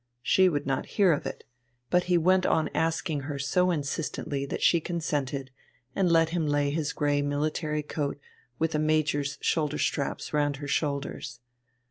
She would not hear of it; but he went on asking her so insistently that she consented, and let him lay his grey military coat with a major's shoulder straps round her shoulders.